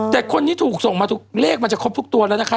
แต่คนที่ถูกส่งมาทุกเลขมันจะครบทุกตัวแล้วนะคะ